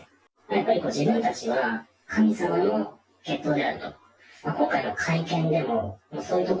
やっぱり自分たちは神様の血統であると。